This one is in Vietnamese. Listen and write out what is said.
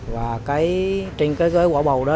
và cái trên cái gối quả bầu đó